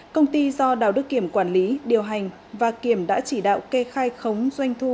công ty do đào đức kiểm quản lý điều hành và kiểm đã chỉ đạo kê khai khống doanh thu